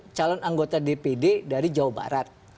calon anggota dpd dari jawa barat